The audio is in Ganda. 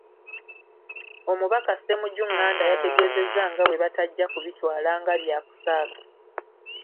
Omubaka Ssemujju Nganda yategeezezza nga bwe batajja kubitwala nga byakusaaga.